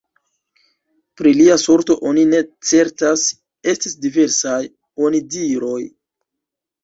Pri lia sorto oni ne certas: estis diversaj onidiroj.